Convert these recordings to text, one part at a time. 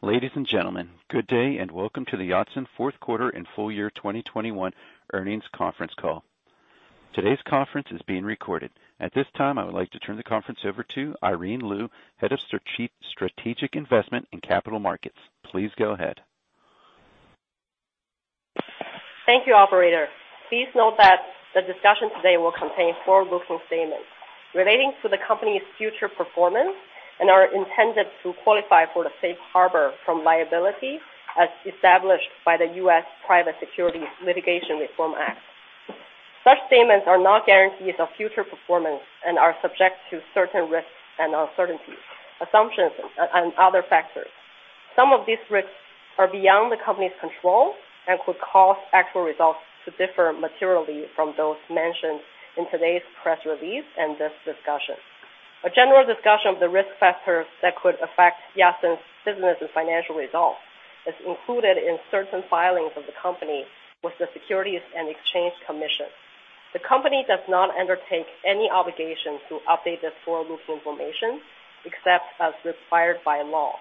Ladies and gentlemen, good day, and welcome to the Yatsen fourth quarter and full year 2021 earnings conference call. Today's conference is being recorded. At this time, I would like to turn the conference over to Irene Lyu, Head of Strategic Investments and Capital Markets. Please go ahead. Thank you, operator. Please note that the discussion today will contain forward-looking statements relating to the company's future performance and are intended to qualify for the safe harbor from liability as established by the U.S. Private Securities Litigation Reform Act. Such statements are not guarantees of future performance and are subject to certain risks and uncertainties, assumptions, and other factors. Some of these risks are beyond the company's control and could cause actual results to differ materially from those mentioned in today's press release and this discussion. A general discussion of the risk factors that could affect Yatsen's business and financial results is included in certain filings of the company with the Securities and Exchange Commission. The company does not undertake any obligation to update this forward-looking information except as required by law.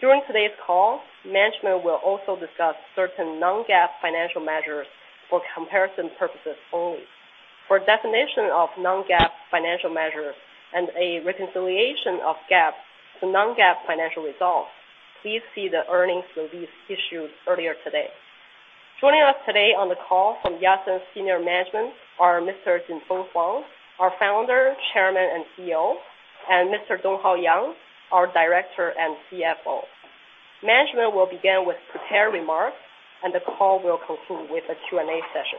During today's call, management will also discuss certain non-GAAP financial measures for comparison purposes only. For definition of non-GAAP financial measures and a reconciliation of GAAP to non-GAAP financial results, please see the earnings release issued earlier today. Joining us today on the call from Yatsen senior management are Mr. Jinfeng Huang, our Founder, Chairman, and CEO, and Mr. Donghao Yang, our Director and CFO. Management will begin with prepared remarks and the call will conclude with a Q&A session.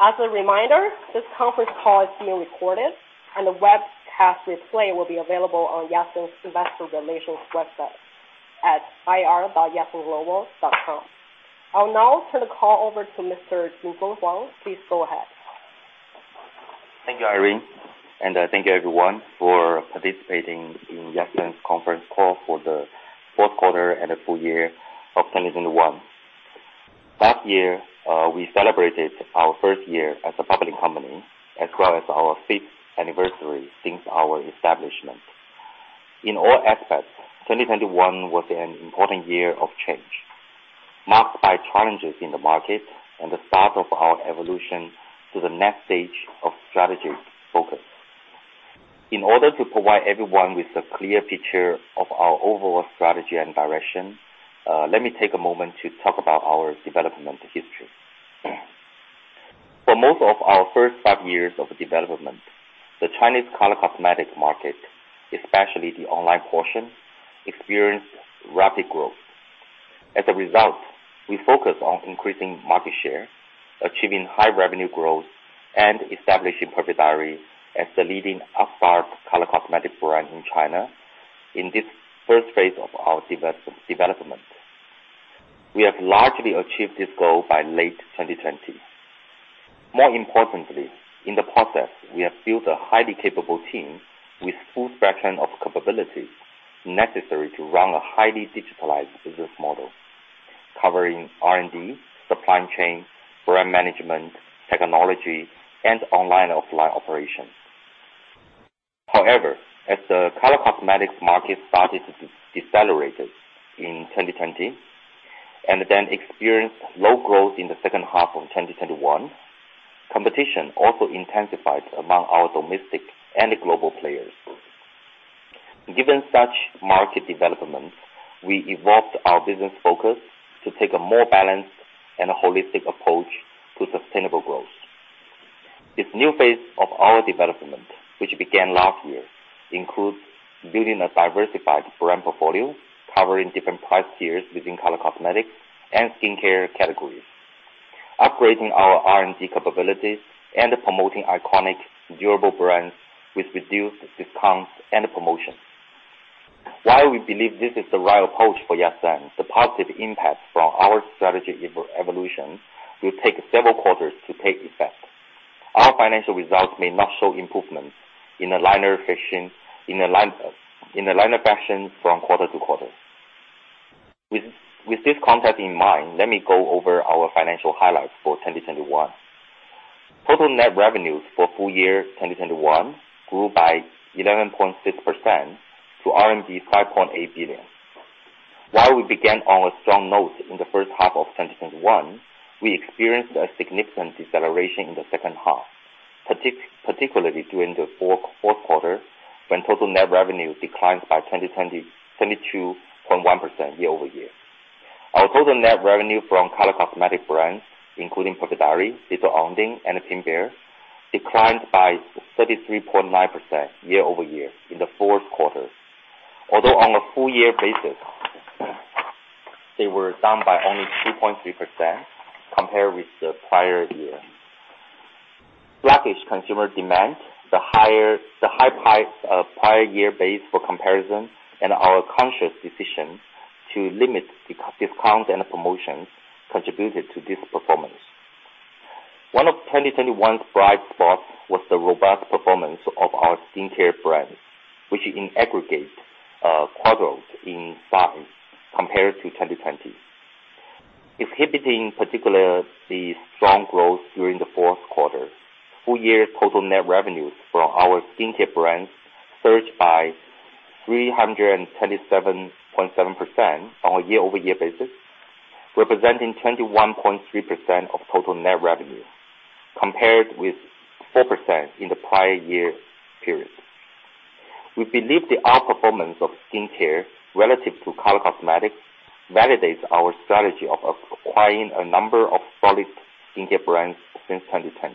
As a reminder, this conference call is being recorded and a webcast replay will be available on Yatsen's Investor Relations website at ir.yatsenglobal.com. I'll now turn the call over to Mr. Jinfeng Huang. Please go ahead. Thank you, Irene, and thank you everyone for participating in Yatsen's conference call for the fourth quarter and the full year of 2021. Last year, we celebrated our first year as a public company as well as our fifth anniversary since our establishment. In all aspects, 2021 was an important year of change, marked by challenges in the market and the start of our evolution to the next stage of strategic focus. In order to provide everyone with a clear picture of our overall strategy and direction, let me take a moment to talk about our development history. For most of our first five years of development, the Chinese color cosmetics market, especially the online portion, experienced rapid growth. As a result, we focused on increasing market share, achieving high revenue growth, and establishing Perfect Diary as the leading upstart color cosmetics brand in China in this first phase of our development. We have largely achieved this goal by late 2020. More importantly, in the process, we have built a highly capable team with full spectrum of capabilities necessary to run a highly digitalized business model, covering R&D, supply chain, brand management, technology, and online/offline operations. However, as the color cosmetics market started to decelerated in 2020 and then experienced low growth in the second half of 2021, competition also intensified among our domestic and global players. Given such market developments, we evolved our business focus to take a more balanced and holistic approach to sustainable growth. This new phase of our development, which began last year, includes building a diversified brand portfolio covering different price tiers within color cosmetics and skincare categories, upgrading our R&D capabilities, and promoting iconic durable brands with reduced discounts and promotions. While we believe this is the right approach for Yatsen, the positive impact from our strategy evolution will take several quarters to take effect. Our financial results may not show improvements in a linear fashion from quarter to quarter. With this context in mind, let me go over our financial highlights for 2021. Total net revenues for full year 2021 grew by 11.6% to RMB 5.8 billion. While we began on a strong note in the first half of 2021, we experienced a significant deceleration in the second half, particularly during the fourth quarter, when total net revenue declined by 22.1% year-over-year. Our total net revenue from color cosmetic brands, including Perfect Diary, Little Ondine, and Pink Bear, declined by 33.9% year-over-year in the fourth quarter. Although on a full year basis, they were down by only 2.3% compared with the prior year. Flagging consumer demand, the high prior year base for comparison, and our conscious decision to limit discount and promotions contributed to this performance. One of 2021's bright spots was the robust performance of our skincare brand, which in aggregate quadrupled in size compared to 2020. Exhibiting particularly strong growth during the fourth quarter, full year total net revenues from our skincare brands surged by 327.7% on a year-over-year basis, representing 21.3% of total net revenue compared with 4% in the prior year period. We believe the outperformance of skincare relative to color cosmetics validates our strategy of acquiring a number of solid skincare brands since 2020.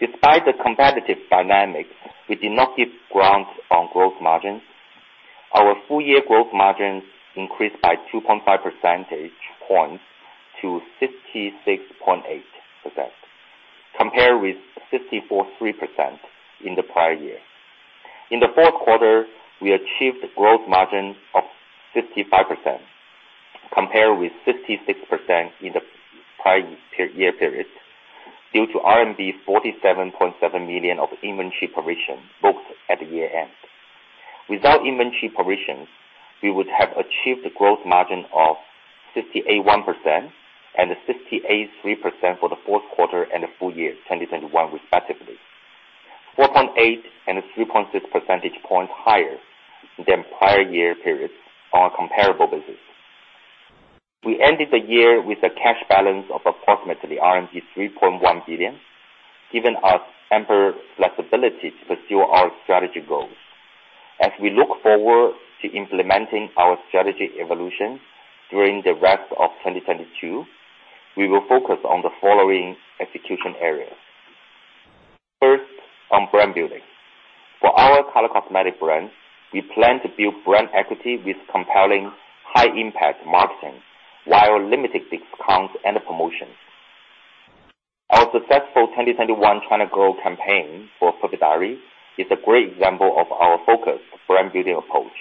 Despite the competitive dynamics, we did not give ground on gross margins. Our full year gross margins increased by 2.5 percentage points to 66.8% compared with 54.3% in the prior year. In the fourth quarter, we achieved gross margin of 55% compared with 56% in the prior year period due to RMB 47.7 million of inventory provision booked at the year-end. Without inventory provisions, we would have achieved a gross margin of 68.1% and 68.3% for the fourth quarter and full year 2021 respectively. 4.8 and 3.6 percentage points higher than prior year periods on a comparable basis. We ended the year with a cash balance of approximately RMB 3.1 billion, giving us ample flexibility to pursue our strategy goals. As we look forward to implementing our strategy evolution during the rest of 2022, we will focus on the following execution areas. First, on brand building. For our color cosmetic brands, we plan to build brand equity with compelling high impact marketing while limiting discounts and promotions. Our successful 2021 China Growth campaign for Perfect Diary is a great example of our focused brand building approach.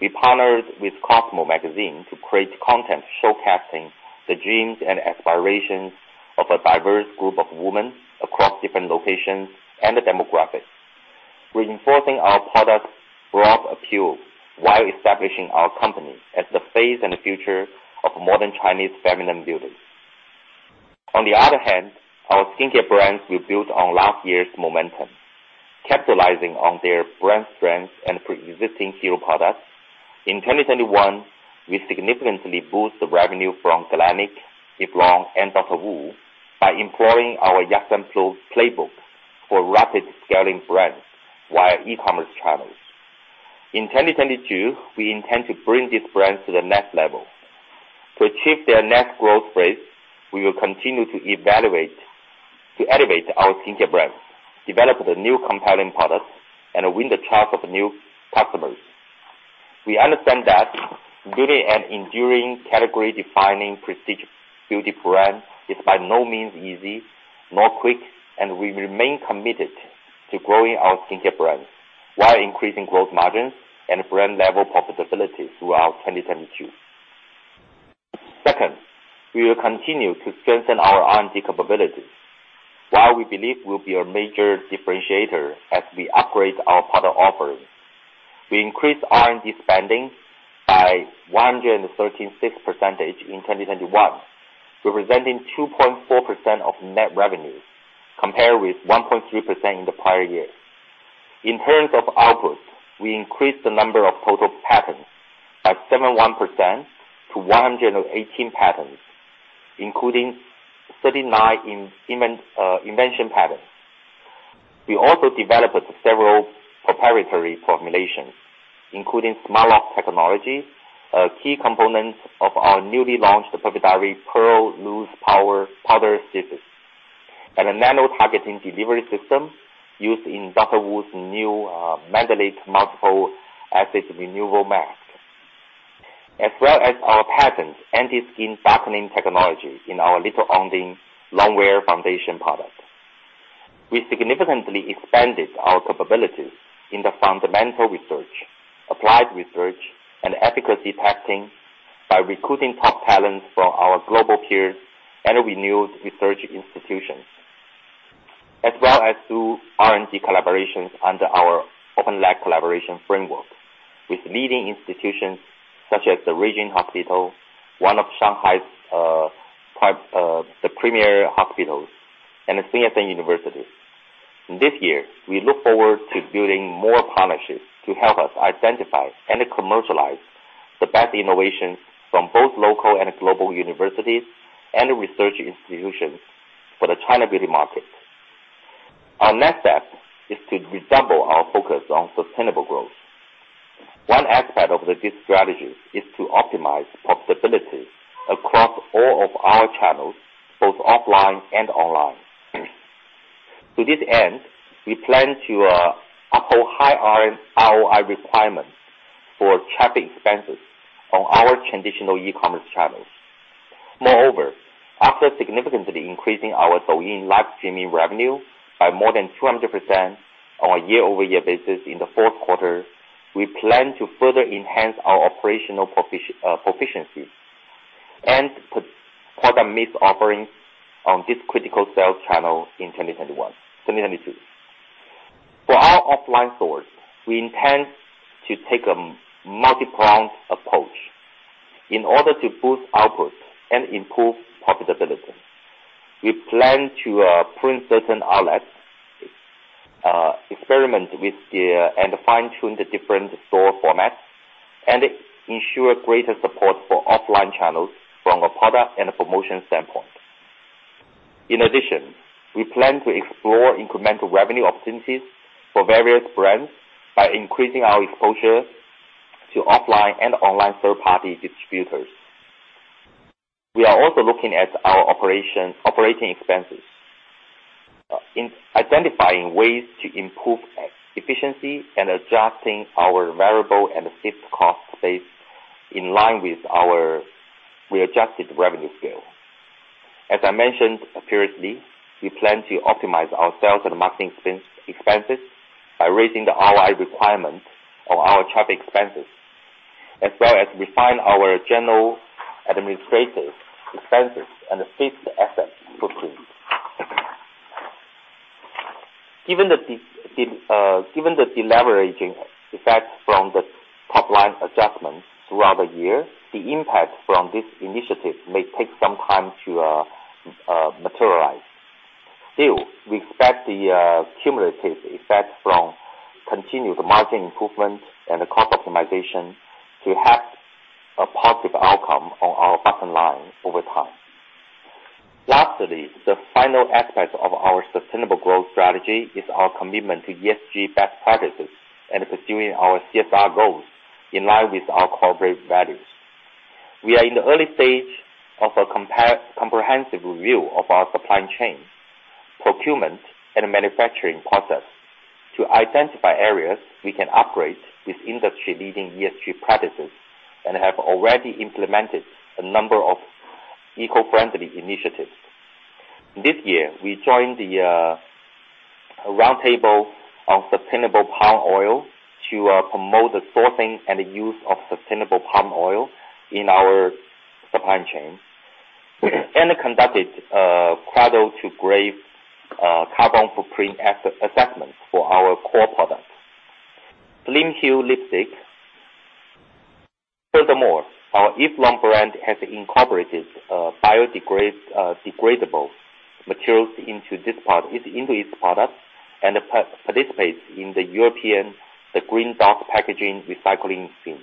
We partnered with Cosmo Magazine to create content showcasing the dreams and aspirations of a diverse group of women across different locations and demographics, reinforcing our product's broad appeal while establishing our company as the face and future of modern Chinese feminine beauty. On the other hand, our skincare brands will build on last year's momentum, capitalizing on their brand strengths and pre-existing hero products. In 2021, we significantly boost the revenue from Galénic, Eve Lom, and DR.WU by employing our Yatsen Flow playbook for rapid scaling brands via e-commerce channels. In 2022, we intend to bring these brands to the next level. To achieve their next growth phase, we will continue to elevate our skincare brands, develop the new compelling products, and win the trust of new customers. We understand that building an enduring category defining prestige beauty brand is by no means easy, nor quick, and we remain committed to growing our skincare brands while increasing growth margins and brand level profitability throughout 2022. Second, we will continue to strengthen our R&D capabilities, while we believe will be a major differentiator as we upgrade our product offerings. We increased R&D spending by 113.6% in 2021, representing 2.4% of net revenues compared with 1.3% in the prior year. In terms of outputs, we increased the number of total patents by 71% to 118 patents, including 39 invention patents. We also developed several proprietary formulations, including Smart LOCK technology, key components of our newly launched Perfect Diary Pearl Loose Powder foundation, and a nano-targeting delivery system used in DR.WU's new Mandelik Multiple Acid Renewal Mask, as well as our patent anti-skin darkening technology in our Little Ondine long-wear foundation product. We significantly expanded our capabilities in the fundamental research, applied research, and efficacy testing by recruiting top talents from our global peers and renowned research institutions, as well as through R&D collaborations under our Open Lab collaboration framework with leading institutions such as the Renji Hospital, one of Shanghai's premier hospitals, and Sun Yat-sen University. This year, we look forward to building more partnerships to help us identify and commercialize the best innovations from both local and global universities and research institutions for the China beauty market. Our next step is to redouble our focus on sustainable growth. One aspect of this strategy is to optimize profitability across all of our channels, both offline and online. To this end, we plan to uphold high ROI requirements for traffic expenses on our traditional e-commerce channels. Moreover, after significantly increasing our Douyin live streaming revenue by more than 200% on a year-over-year basis in the fourth quarter, we plan to further enhance our operational proficiency and put product mix offerings on this critical sales channel in 2021-2022. For our offline stores, we intend to take a multi-pronged approach in order to boost output and improve profitability. We plan to prune certain outlets, experiment with and fine-tune the different store formats and ensure greater support for offline channels from a product and a promotion standpoint. In addition, we plan to explore incremental revenue opportunities for various brands by increasing our exposure to offline and online third-party distributors. We are also looking at our operation, operating expenses, in identifying ways to improve efficiency and adjusting our variable and fixed cost base in line with our readjusted revenue scale. As I mentioned previously, we plan to optimize our sales and marketing expenses by raising the ROI requirement of our traffic expenses, as well as refine our general administrative expenses and adjust asset footprint. Given the deleveraging effect from the top line adjustments throughout the year, the impact from this initiative may take some time to materialize. Still, we expect the cumulative effect from continued margin improvement and the cost optimization to have a positive outcome on our bottom line over time. Lastly, the final aspect of our sustainable growth strategy is our commitment to ESG best practices and pursuing our CSR goals in line with our corporate values. We are in the early stage of a comprehensive review of our supply chain, procurement and manufacturing process to identify areas we can upgrade with industry-leading ESG practices and have already implemented a number of eco-friendly initiatives. This year, we joined the Roundtable on Sustainable Palm Oil to promote the sourcing and use of sustainable palm oil in our supply chain. We conducted a cradle-to-grave carbon footprint assessment for our core products, Slim Hue Lipstick. Furthermore, our Eve Lom brand has incorporated biodegradable materials into its products and participates in the European Green Dot packaging recycling scheme.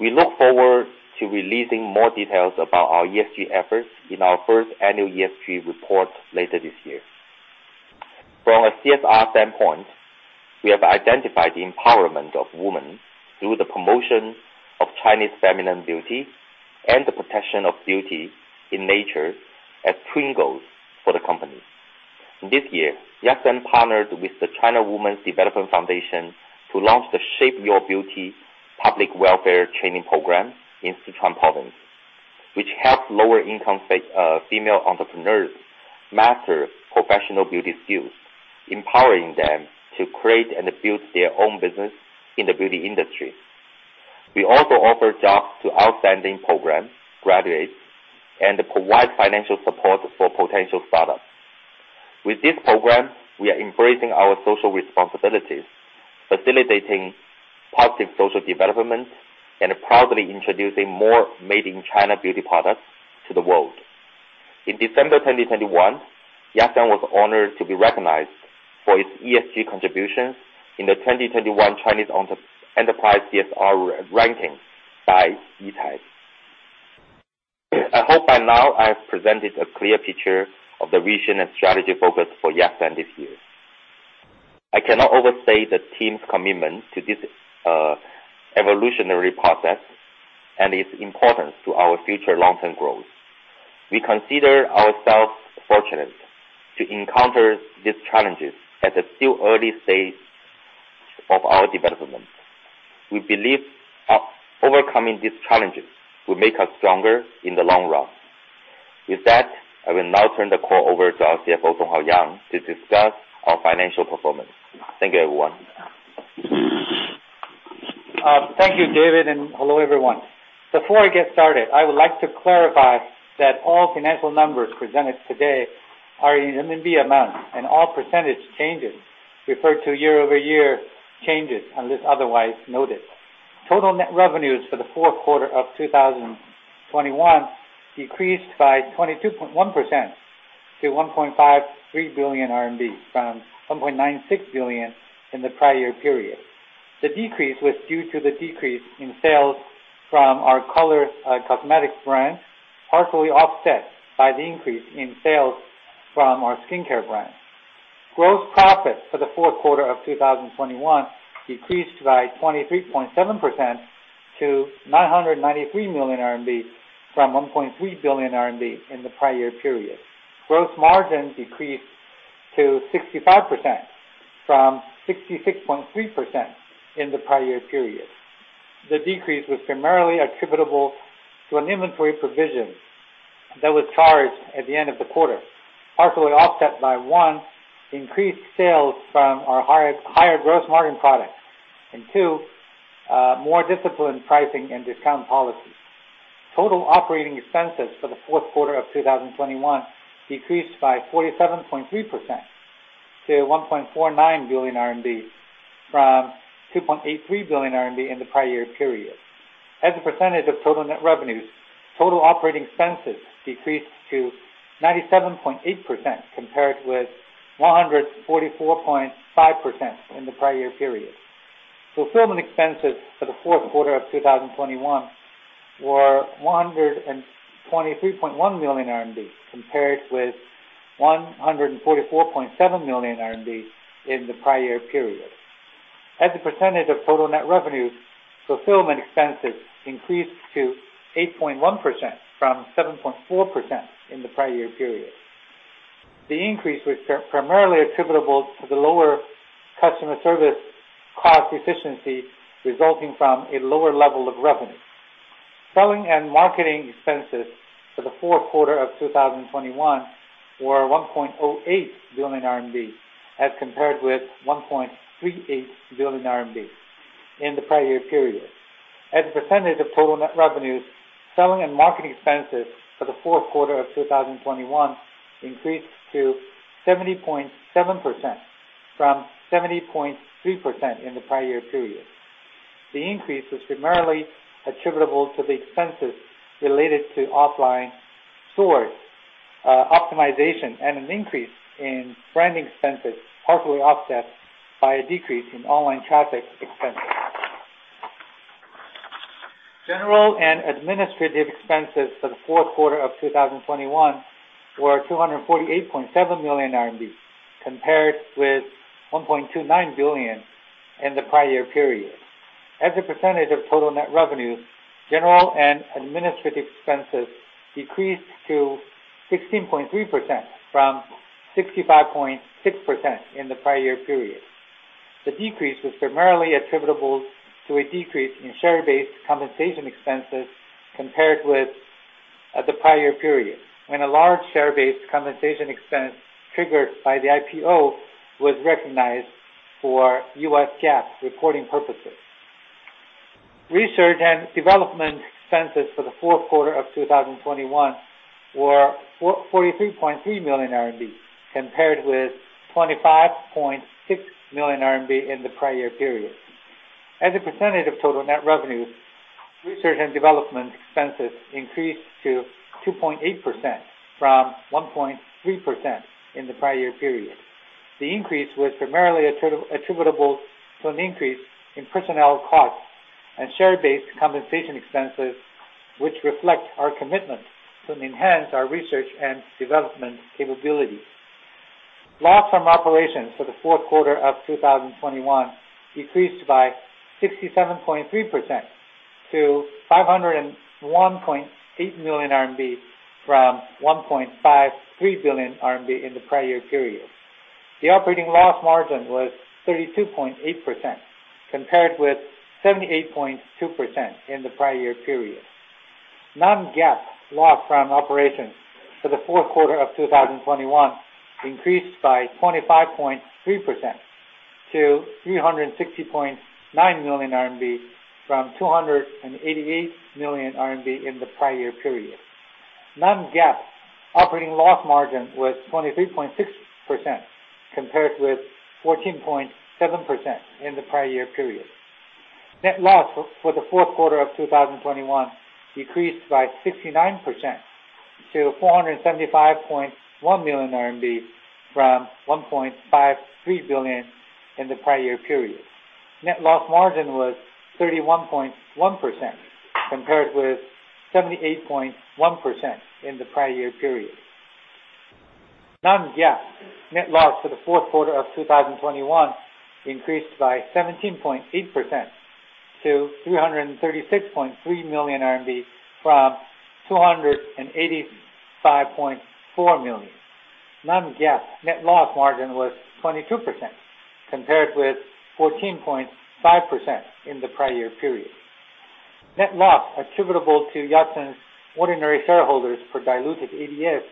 We look forward to releasing more details about our ESG efforts in our first annual ESG report later this year. From a CSR standpoint, we have identified the empowerment of women through the promotion of Chinese feminine beauty and the protection of beauty in nature as twin goals for the company. This year, Yatsen partnered with the China Women's Development Foundation to launch the Shape Your Beauty public welfare training program in Sichuan province, which helps lower income female entrepreneurs master professional beauty skills, empowering them to create and build their own business in the beauty industry. We also offer jobs to outstanding program graduates, and provide financial support for potential products. With this program, we are embracing our social responsibilities, facilitating positive social development, and proudly introducing more made in China beauty products to the world. In December 2021, Yatsen was honored to be recognized for its ESG contributions in the 2021 Chinese enterprise CSR ranking by ECSI. I hope by now I have presented a clear picture of the vision and strategy focus for Yatsen this year. I cannot overstate the team's commitment to this evolutionary process and its importance to our future long-term growth. We consider ourselves fortunate to encounter these challenges at the still early stage of our development. We believe overcoming these challenges will make us stronger in the long run. With that, I will now turn the call over to our CFO, Donghao Yang, to discuss our financial performance. Thank you, everyone. Thank you, David, and hello, everyone. Before I get started, I would like to clarify that all financial numbers presented today are in RMB and all percentage changes refer to year-over-year changes unless otherwise noted. Total net revenues for the fourth quarter of 2021 decreased by 22.1% to 1.53 billion RMB from 1.96 billion in the prior period. The decrease was due to the decrease in sales from our color cosmetics brand, partially offset by the increase in sales from our skincare brand. Gross profit for the fourth quarter of 2021 decreased by 23.7% to 993 million RMB from 1.3 billion RMB in the prior period. Gross margin decreased to 65% from 66.3% in the prior period. The decrease was primarily attributable to an inventory provision that was charged at the end of the quarter, partially offset by one, increased sales from our higher gross margin products. Two, more disciplined pricing and discount policy. Total operating expenses for the fourth quarter of 2021 decreased by 47.3% to 1.49 billion RMB from 2.83 billion RMB in the prior year period. As a percentage of total net revenues, total operating expenses decreased to 97.8% compared with 144.5% in the prior year period. Fulfillment expenses for the fourth quarter of 2021 were 123.1 million RMB compared with 144.7 million RMB in the prior year period. As a percentage of total net revenues, fulfillment expenses increased to 8.1% from 7.4% in the prior year period. The increase was primarily attributable to the lower customer service cost efficiency resulting from a lower level of revenue. Selling and marketing expenses for the fourth quarter of 2021 were 1.08 billion RMB as compared with 1.38 billion RMB in the prior year period. As a percentage of total net revenues, selling and marketing expenses for the fourth quarter of 2021 increased to 70.7% from 70.3% in the prior year period. The increase was primarily attributable to the expenses related to offline stores optimization and an increase in branding expenses, partly offset by a decrease in online traffic expenses. General and administrative expenses for the fourth quarter of 2021 were 248.7 million RMB compared with 1.29 billion in the prior year period. As a percentage of total net revenues, general and administrative expenses decreased to 16.3% from 65.6% in the prior year period. The decrease was primarily attributable to a decrease in share-based compensation expenses compared with the prior year period, when a large share-based compensation expense triggered by the IPO was recognized for U.S. GAAP reporting purposes. Research and development expenses for the fourth quarter of 2021 were 43.3 million RMB compared with 25.6 million RMB in the prior year period. As a percentage of total net revenues, research and development expenses increased to 2.8% from 1.3% in the prior year period. The increase was primarily attributable to an increase in personnel costs and share-based compensation expenses which reflect our commitment to enhance our research and development capabilities. Loss from operations for the fourth quarter of 2021 decreased by 67.3% to 501.8 million RMB from 1.53 billion RMB in the prior year period. The operating loss margin was 32.8% compared with 78.2% in the prior year period. Non-GAAP loss from operations for the fourth quarter of 2021 increased by 25.3% to 360.9 million RMB from 288 million RMB in the prior year period. Non-GAAP operating loss margin was 23.6% compared with 14.7% in the prior year period. Net loss for the fourth quarter of 2021 decreased by 69% to 475.1 million RMB from 1.53 billion in the prior year period. Net loss margin was 31.1% compared with 78.1% in the prior year period. Non-GAAP net loss for the fourth quarter of 2021 increased by 17.8% to 336.3 million RMB from 285.4 million. Non-GAAP net loss margin was 22% compared with 14.5% in the prior year period. Net loss attributable to Yatsen's ordinary shareholders per diluted ADS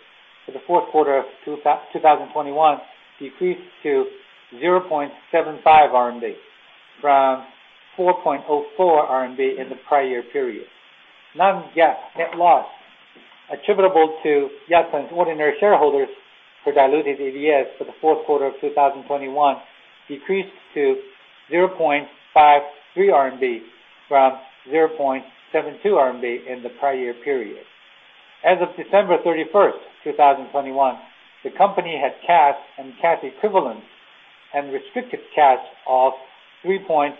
for the fourth quarter of 2021 decreased to 0.75 RMB from 4.04 RMB in the prior year period. non-GAAP net loss attributable to Yatsen's ordinary shareholders per diluted ADS for the fourth quarter of 2021 decreased to 0.53 RMB from 0.72 RMB in the prior year period. As of December 31st, 2021, the company had cash and cash equivalents and restricted cash of 3.14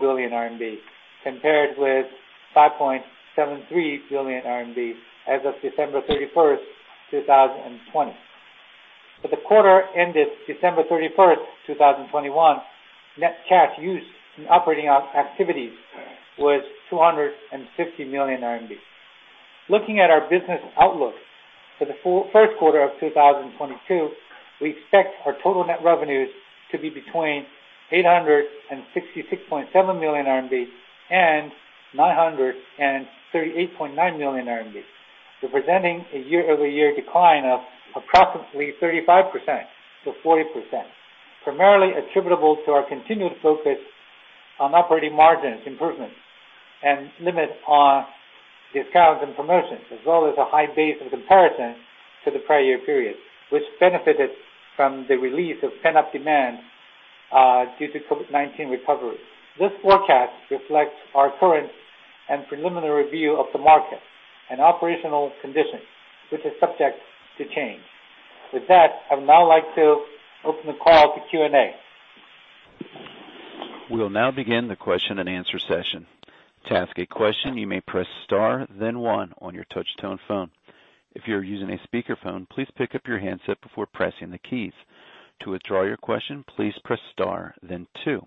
billion RMB compared with 5.73 billion RMB as of December 31st, 2020. For the quarter ended December 31st, 2021, net cash used in operating activities was 250 million RMB. Looking at our business outlook for the first quarter of 2022, we expect our total net revenues to be between 866.7 million RMB and 938.9 million RMB, representing a year-over-year decline of approximately 35%-40%. Primarily attributable to our continued focus on operating margins improvement and limit on discounts and promotions, as well as a high base of comparison to the prior year period, which benefited from the release of pent-up demand, due to COVID-19 recovery. This forecast reflects our current and preliminary review of the market and operational conditions, which is subject to change. With that, I would now like to open the call to Q&A. We will now begin the Q&A session. To ask a question, you may press star then one on your touch tone phone. If you're using a speaker phone, please pick up your handset before pressing the keys. To withdraw your question, please press star then two.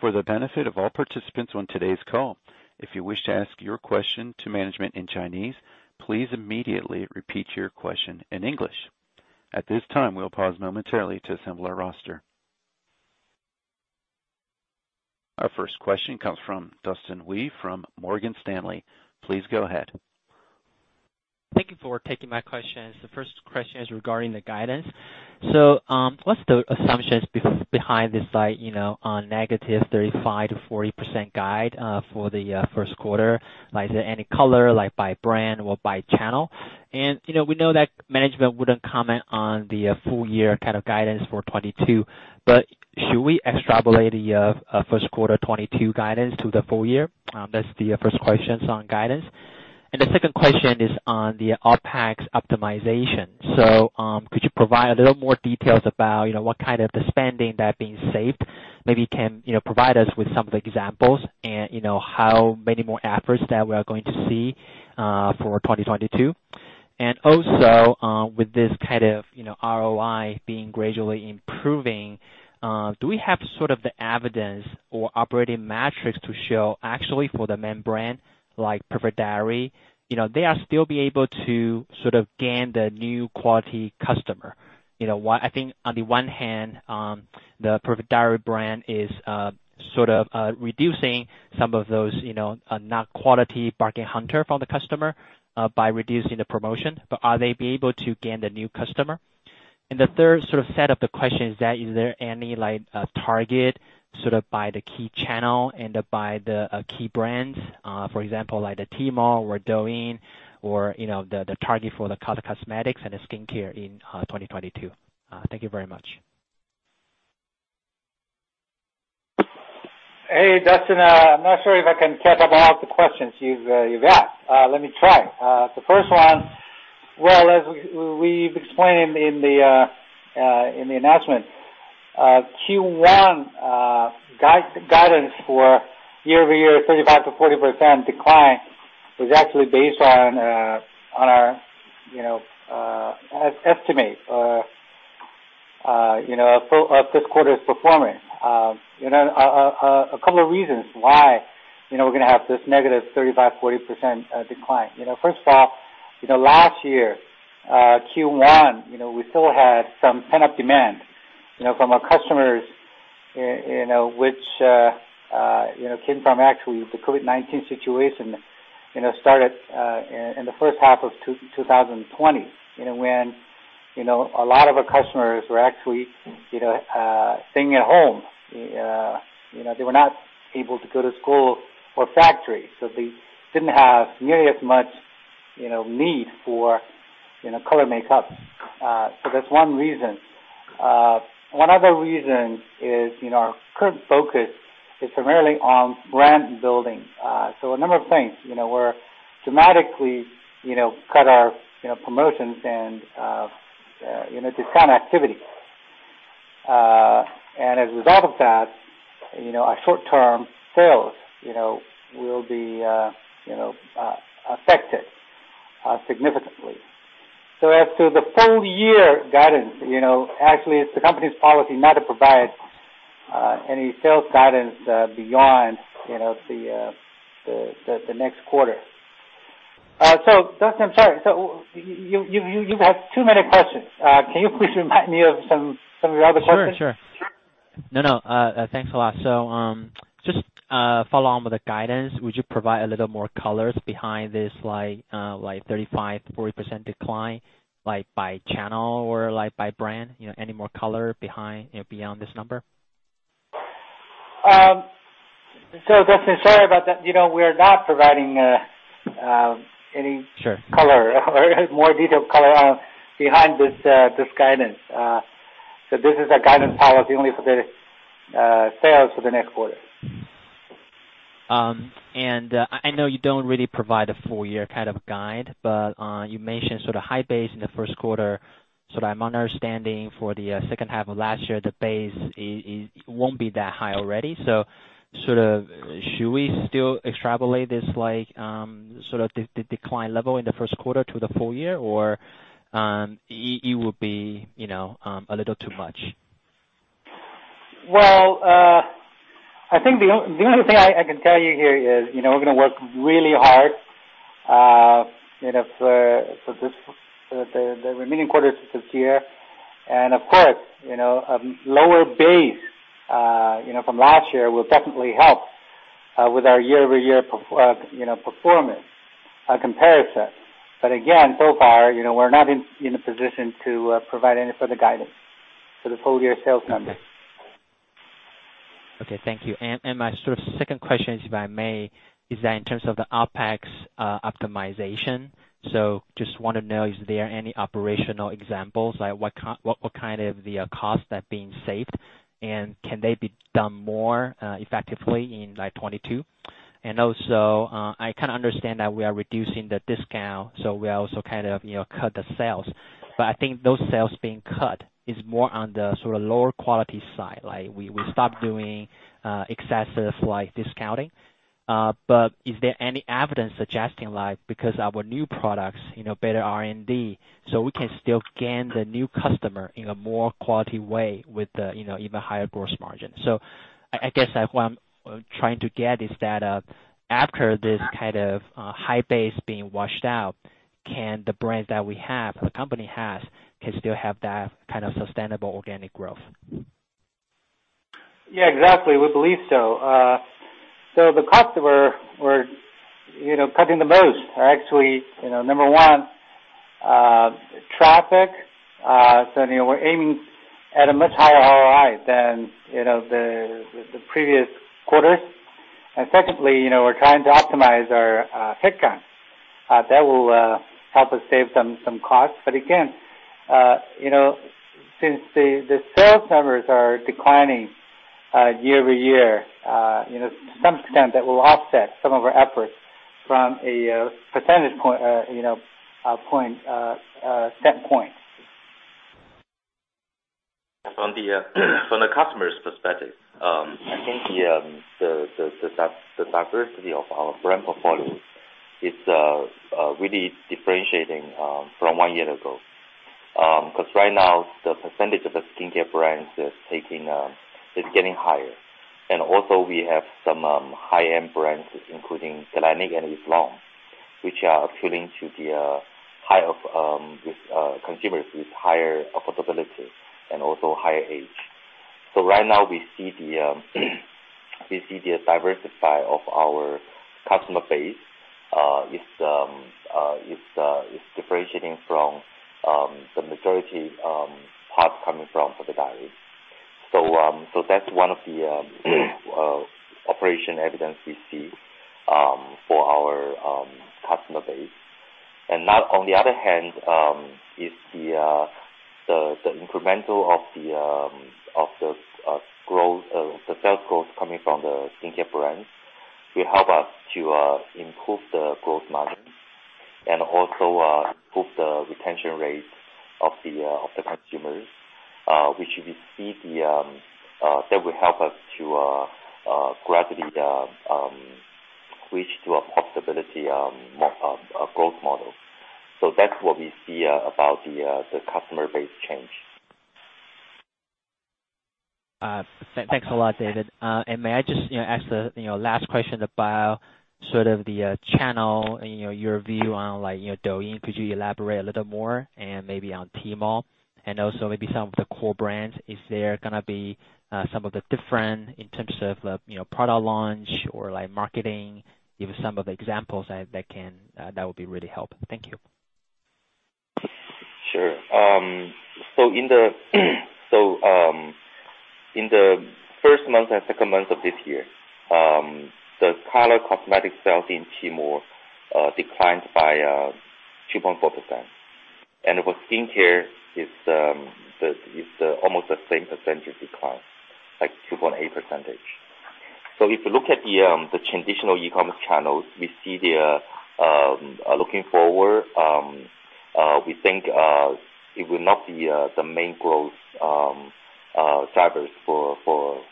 For the benefit of all participants on today's call, if you wish to ask your question to management in Chinese, please immediately repeat your question in English. At this time, we'll pause momentarily to assemble our roster. Our first question comes from Dustin Wei from Morgan Stanley. Please go ahead. Thank you for taking my questions. The first question is regarding the guidance. What's the assumptions behind this slide, you know, on negative 35%-40% guide for the first quarter? Like, is there any color, like, by brand or by channel? You know, we know that management wouldn't comment on the full year kind of guidance for 2022, but should we extrapolate the first quarter 2022 guidance to the full year? That's the first questions on guidance. The second question is on the OpEx optimization. Could you provide a little more details about, you know, what kind of the spending that being saved? Maybe you can, you know, provide us with some of the examples and, you know, how many more efforts that we are going to see for 2022. Also, with this kind of, you know, ROI being gradually improving, do we have sort of the evidence or operating metrics to show actually for the main brand, like Perfect Diary? You know, they are still able to sort of gain the new quality customer. You know why? I think on the one hand, the Perfect Diary brand is, sort of, reducing some of those, you know, not quality bargain hunter from the customer, by reducing the promotion. But are they able to gain the new customer? The third sort of set of the question is that, is there any, like, target sort of by the key channel and by the, key brands? For example, like the Tmall or Douyin or, you know, the target for the color cosmetics and the skincare in 2022. Thank you very much. Hey, Dustin. I'm not sure if I can catch up all of the questions you've asked. Let me try. The first one. Well, as we've explained in the announcement, Q1 guidance for year-over-year 35%-40% decline was actually based on our estimate, you know, for this quarter's performance. You know, a couple of reasons why we're gonna have this -35% to 40% decline. You know, first off, last year Q1, you know, we still had some pent-up demand, you know, from our customers, which, you know, came from actually the COVID-19 situation, you know, started in the first half of 2020, you know, when, you know, a lot of our customers were actually, you know, staying at home. You know, they were not able to go to school or factory, so they didn't have nearly as much, you know, need for, you know, color makeup. That's one reason. One other reason is, you know, our current focus is primarily on brand building. A number of things, you know, we're dramatically cut our, you know, promotions and, you know, discount activity. As a result of that, you know, our short-term sales, you know, will be, you know, affected significantly. As to the full year guidance, you know, actually it's the company's policy not to provide any sales guidance beyond, you know, the next quarter. Dustin, I'm sorry. You've asked too many questions. Can you please remind me of some of your other questions? Sure. No. Thanks a lot. Just follow on with the guidance. Would you provide a little more color behind this, like 35%-40% decline, like by channel or like by brand? You know, any more color behind, you know, beyond this number? Dustin, sorry about that. You know, we are not providing Sure. Any color or more detailed color behind this guidance. This is a guidance policy only for the sales for the next quarter. I know you don't really provide a full year kind of guide, but you mentioned sort of high base in the first quarter, so I'm understanding for the second half of last year, the base isn't that high already. Sort of should we still extrapolate this like sort of decline level in the first quarter to the full year or it would be, you know, a little too much? Well, I think the only thing I can tell you here is, you know, we're gonna work really hard, you know, for this, for the remaining quarters of this year. Of course, you know, lower base, you know, from last year will definitely help with our year-over-year performance comparison. Again, so far, you know, we're not in a position to provide any further guidance for the full year sales numbers. Okay. Thank you. My sort of second question is, if I may, in terms of the OpEx optimization. Just wanna know, is there any operational examples? Like, what kind of the costs are being saved? Can they be done more effectively in 2022? Also, I kinda understand that we are reducing the discount, so we also kind of, you know, cut the sales. I think those sales being cut is more on the sort of lower quality side. Like, we stop doing excessive, like, discounting. Is there any evidence suggesting, like, because our new products, you know, better R&D, so we can still gain the new customer in a more quality way with the, you know, even higher gross margin. I guess, like, what I'm trying to get is that, after this kind of high base being washed out, can the brands that we have, the company has, can still have that kind of sustainable organic growth? Yeah, exactly. We believe so. The costs we're cutting the most are actually number one, traffic. You know, we're aiming at a much higher ROI than the previous quarters. Secondly, you know, we're trying to optimize our head count. That will help us save some costs. Again, you know, since the sales numbers are declining year-over-year, you know, to some extent that will offset some of our efforts from a percentage point standpoint. From the customer's perspective, I think the diversity of our brand portfolio is really differentiating from one year ago. Because right now the percentage of the skincare brands is getting higher. We have some high-end brands including Galénic and Eve Lom, which are appealing to high-end consumers with higher affordability and also higher age. Right now we see the diversity of our customer base is differentiating from the majority part coming from Perfect Diary. That's one of the operational evidence we see for our customer base. Now on the other hand, the incremental sales growth coming from the skincare brands will help us to improve the gross margin and also improve the retention rate of the consumers, which we see that will help us to gradually switch to a profitable growth model. That's what we see about the customer base change. Thanks a lot, David. May I just ask the last question about the channel, your view on Douyin. Could you elaborate a little more and maybe on Tmall and also maybe some of the core brands. Is there gonna be some differences in terms of the product launch or marketing? Give some examples that would be really helpful. Thank you. Sure. In the first month and second month of this year, the color cosmetic sales in Tmall declined by 2.4%. With skincare, it's almost the same percentage decline, like 2.8%. If you look at the traditional e-commerce channels, we see, looking forward, we think it will not be the main growth drivers for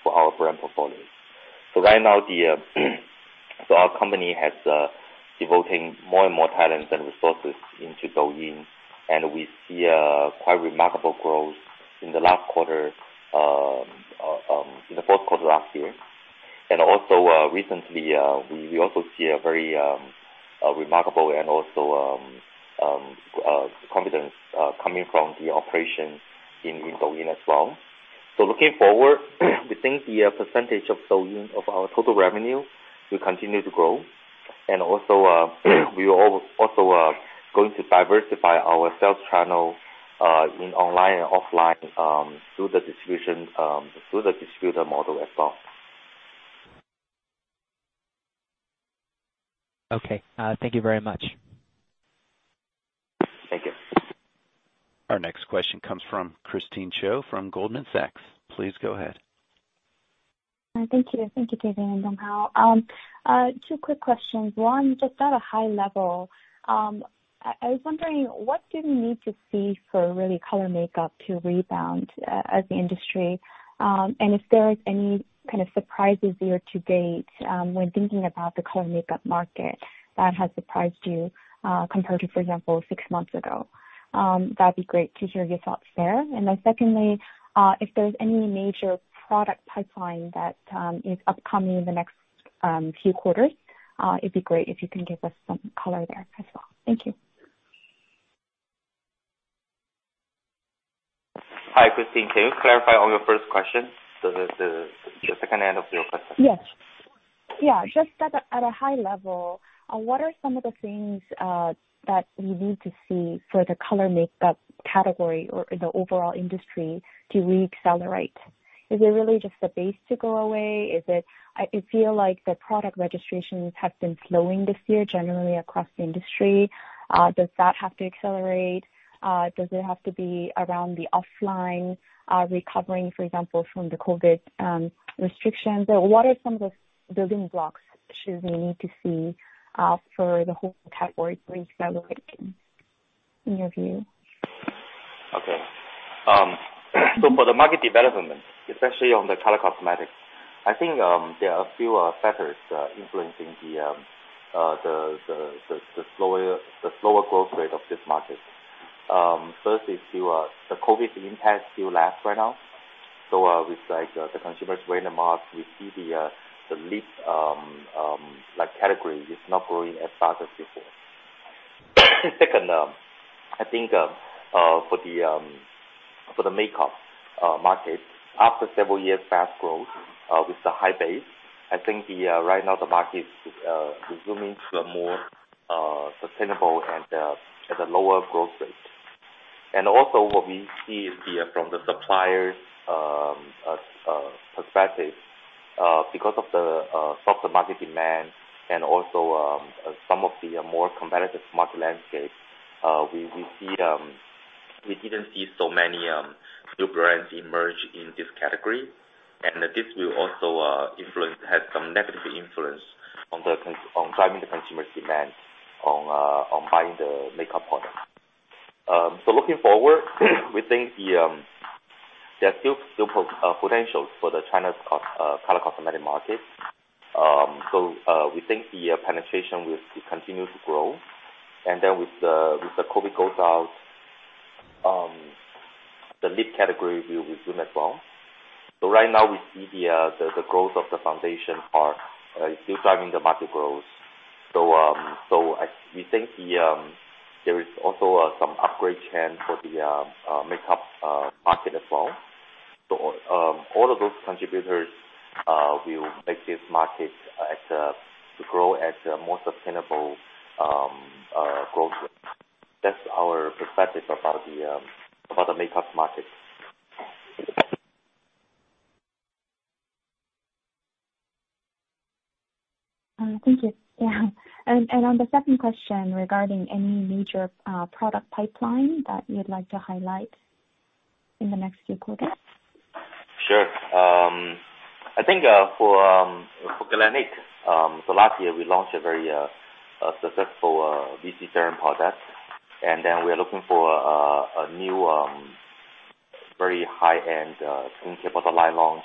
our brand portfolio. Right now our company has devoting more and more talents and resources into Douyin, and we see a quite remarkable growth in the last quarter in the fourth quarter last year. Recently, we also see a very remarkable and also complement coming from the operations in Douyin as well. Looking forward, we think the percentage of Douyin of our total revenue will continue to grow. We also going to diversify our sales channel in online and offline through the distribution through the distributor model as well. Okay. Thank you very much. Thank you. Our next question comes from Christine Cho from Goldman Sachs. Please go ahead. Thank you. Thank you, David and Donghao. Two quick questions. One, just at a high level, I was wondering what do we need to see for really color makeup to rebound as the industry. And if there's any kind of surprises year to date, when thinking about the color makeup market that has surprised you, compared to, for example, six months ago. That'd be great to hear your thoughts there. Secondly, if there's any major product pipeline that is upcoming in the next few quarters, it'd be great if you can give us some color there as well. Thank you. Hi, Christine. Can you clarify on your first question? The second half of your question? Yes. Yeah, just at a high level, what are some of the things that we need to see for the color makeup category or the overall industry to re-accelerate? Is it really just the base to go away? It feels like the product registrations have been slowing this year, generally across the industry. Does that have to accelerate? Does it have to be around the offline recovering, for example from the COVID restrictions? What are some of the building blocks should we need to see for the whole category to re-accelerate in your view? Okay. For the market development, especially on the color cosmetics, I think there are a few factors influencing the slower growth rate of this market. First is still the COVID impact still lasts right now. With like the consumers wearing a mask, we see the lip like category is not growing as fast as before. Second, I think for the makeup market, after several years fast growth with the high base, I think right now the market is resuming to a more sustainable and at a lower growth rate. What we see is, from the suppliers' perspective, because of the softer market demand and also some of the more competitive market landscape, we see, we didn't see so many new brands emerge in this category. This will also have some negative influence on driving the consumer's demand on buying the makeup product. Looking forward, we think there are still potentials for China's color cosmetics market. We think the penetration will continue to grow. With the COVID goes out, the lip category will resume as well. Right now we see the growth of the foundation part is still driving the market growth. We think there is also some upgrade chance for the makeup market as well. All of those contributors will make this market to grow at a more sustainable growth rate. That's our perspective about the makeup market. Thank you. Yeah. On the second question regarding any major product pipeline that you'd like to highlight in the next few quarters. Sure. I think for Galénic, last year we launched a very successful VC serum product. We're looking for a new very high-end skincare line launch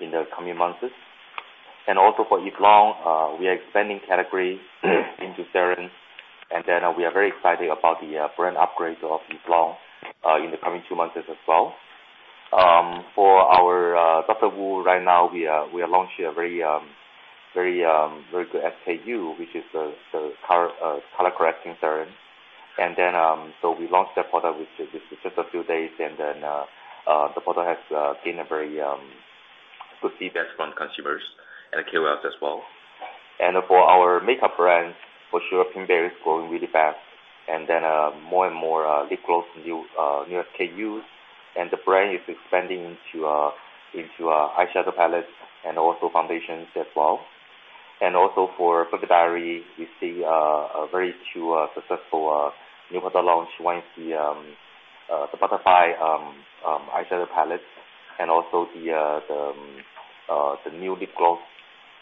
in the coming months. For Eve Lom, we are expanding categories into serum. We are very excited about the brand upgrades of Eve Lom in the coming two months as well. For our DR.WU, right now, we are launching a very good SKU, which is a color correcting serum. We launched that product, which is just a few days, and then the product has gained a very good feedback from consumers and KOL as well. For our makeup brands, for sure, Pink Bear is growing really fast. Then, more and more lip gloss, new SKUs. The brand is expanding into eyeshadow palettes and also foundations as well. Also for Perfect Diary, we see a very successful new product launch. One is the butterfly eyeshadow palettes and also the new lip gloss.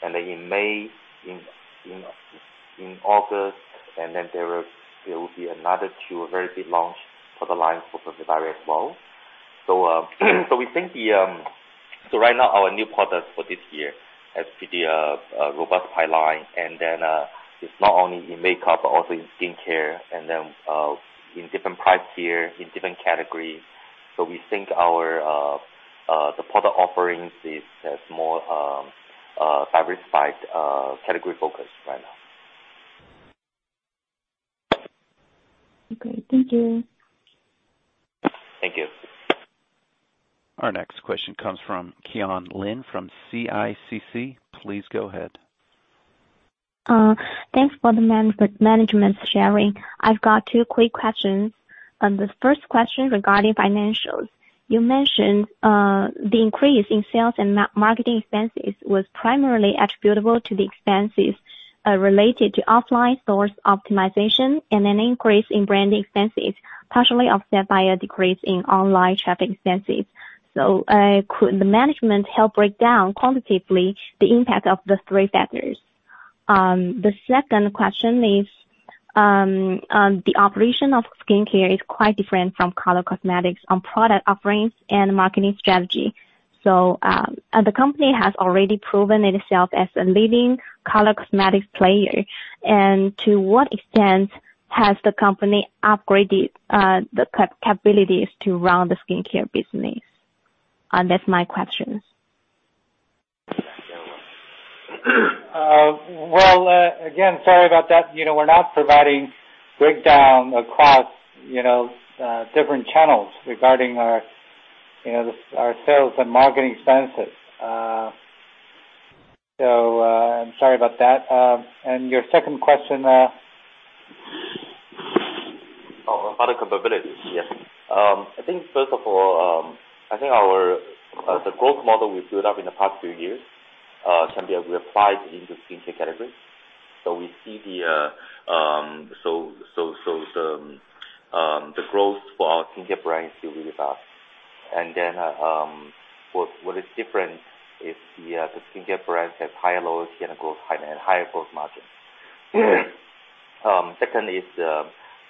Then in May, in August, there will be another two very big launch for the line for Perfect Diary as well. We think so right now our new products for this year has to be a robust pipeline and then it's not only in makeup but also in skincare and then in different price tier, in different categories. We think the product offerings has more diversified category focus right now. Okay, thank you. Thank you. Our next question comes from Qianye Lin from CICC. Please go ahead. Thanks for the management sharing. I've got two quick questions. The first question regarding financials. You mentioned the increase in sales and marketing expenses was primarily attributable to the expenses related to offline store optimization and an increase in branding expenses, partially offset by a decrease in online shopping expenses. Could the management help break down quantitatively the impact of the three factors? The second question is the operation of skincare is quite different from color cosmetics on product offerings and marketing strategy. The company has already proven itself as a leading color cosmetics player. To what extent has the company upgraded the capabilities to run the skincare business? That's my questions. Well, again, sorry about that. You know, we're not providing breakdown across, you know, different channels regarding our, you know, our sales and marketing expenses. I'm sorry about that. Your second question Oh, about the capabilities. Yes. I think first of all, the growth model we built up in the past few years can be applied in the skincare category. We see the growth for our skincare brand is still really fast. What is different is the skincare brand has higher loyalty and higher gross margin. Second is,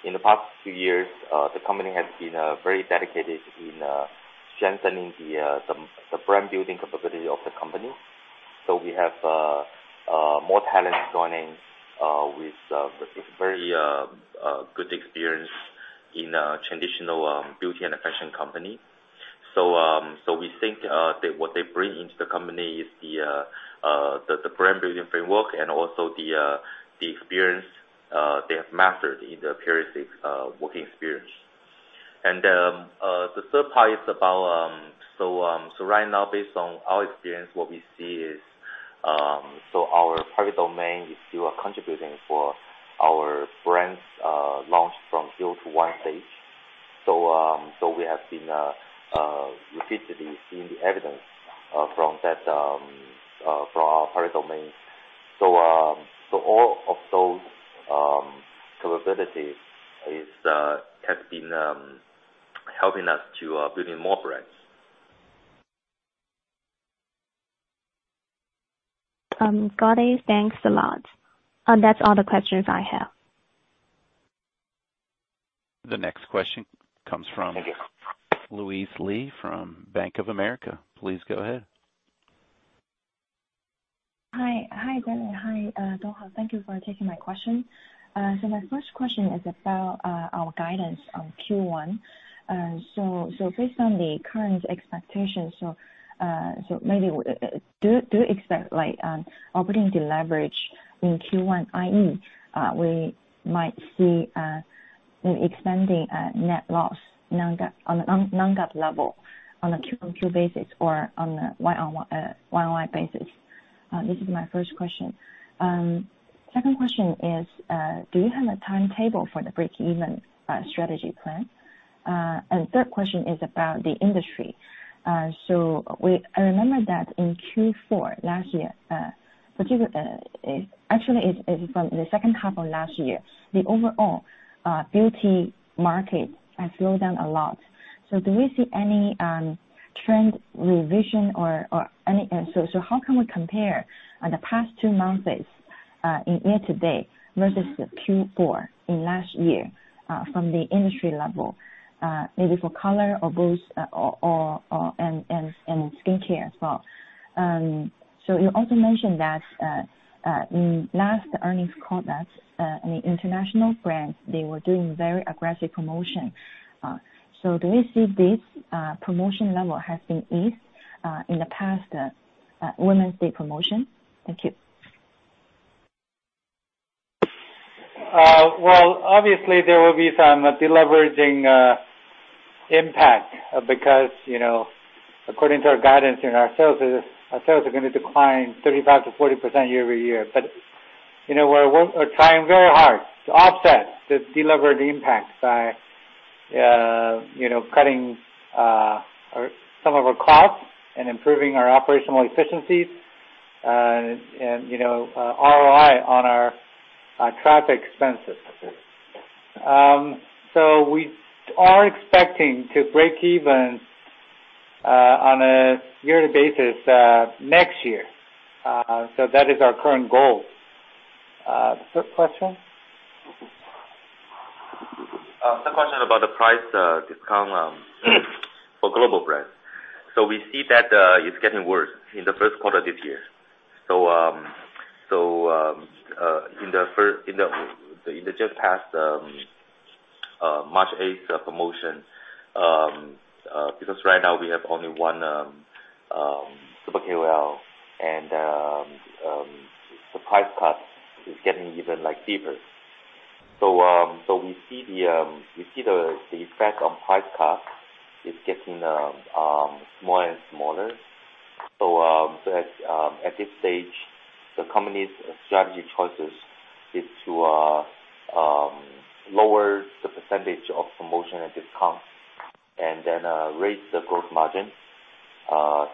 in the past few years, the company has been very dedicated in strengthening the brand building capability of the company. We have more talent joining with very good experience in traditional beauty and fashion company. We think what they bring into the company is the brand building framework and also the experience they have mastered in their previous working experience. The third part is about right now, based on our experience, what we see is our private domain is still contributing for our brands launched from zero to one stage. We have been repeatedly seeing the evidence from our private domain. All of those capabilities has been helping us to building more brands. Got it. Thanks a lot. That's all the questions I have. The next question comes from. Thank you. Louise Li from Bank of America. Please go ahead. Hi. Hi, David. Hi, Donghao. Thank you for taking my question. My first question is about your guidance on Q1. Based on the current expectations, maybe do you expect like operating leverage in Q1, i.e., we might see an expanding net loss, non-GAAP, on a non-GAAP level on a Q-on-Q basis or on a Y-on-Y basis? This is my first question. Second question is, do you have a timetable for the breakeven strategy plan? Third question is about the industry. I remember that in Q4 last year, which is actually from the second half of last year, the overall beauty market has slowed down a lot. How can we compare the past two months in year-to-date versus the Q4 in last year from the industry level, maybe for color or both or and skincare as well? You also mentioned that in last earnings call that in the international brands they were doing very aggressive promotion. Do we see this promotion level has been eased in the past Women's Day promotion? Thank you. Well, obviously, there will be some deleveraging impact because, you know, according to our guidance, you know, our sales are gonna decline 35%-40% year-over-year. You know, we're trying very hard to offset this deleveraging impact by, you know, cutting some of our costs and improving our operational efficiencies, and, you know, ROI on our traffic expenses. We are expecting to break even on a yearly basis next year. That is our current goal. Third question? Some question about the price discount for global brands. We see that it's getting worse in the first quarter this year. In the just past March 8 promotion, because right now we have only one super KOL and the price cut is getting even, like, deeper. We see the effect on price cut is getting smaller and smaller. At this stage, the company's strategy choices is to lower the percentage of promotion and discounts and then raise the gross margin,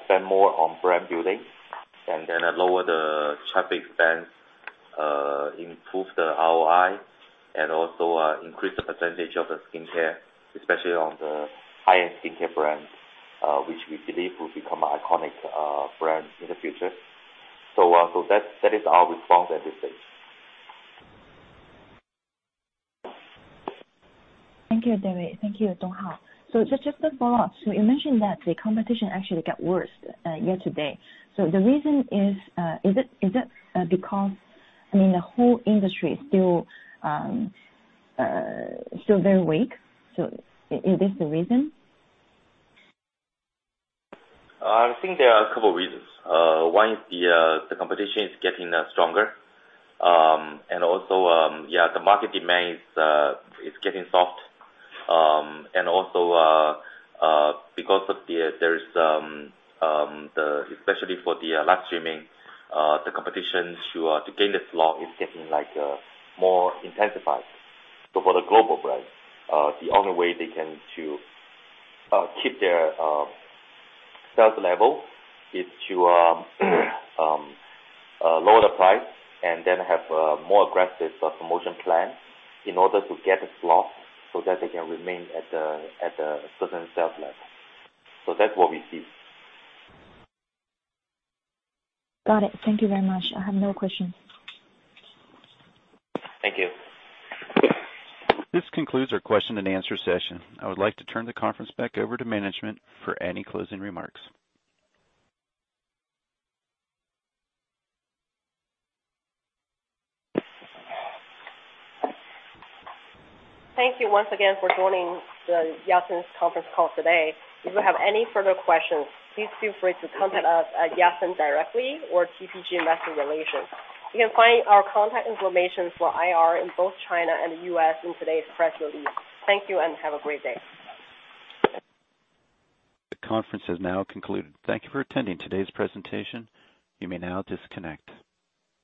spend more on brand building, and then lower the traffic spend, improve the ROI, and also increase the percentage of the skincare, especially on the high-end skincare brands, which we believe will become iconic brands in the future. That is our response at this stage. Thank you, David. Thank you, Donghao. Just a follow-up. You mentioned that the competition actually got worse year-to-date. The reason is it because, I mean, the whole industry is still very weak? Is this the reason? I think there are a couple reasons. One is the competition is getting stronger. Also, the market demand is getting soft. Also, because there's especially for the live streaming, the competition to gain the slot is getting like more intensified. For the global brands, the only way they can to keep their sales level is to lower the price and then have a more aggressive promotion plan in order to get a slot so that they can remain at a certain sales level. That's what we see. Got it. Thank you very much. I have no questions. Thank you. This concludes our Q&A session. I would like to turn the conference back over to management for any closing remarks. Thank you once again for joining the Yatsen's conference call today. If you have any further questions, please feel free to contact us at Yatsen directly or TPG Investor Relations. You can find our contact information for IR in both China and the U.S. in today's press release. Thank you, and have a great day. The conference has now concluded. Thank you for attending today's presentation. You may now disconnect.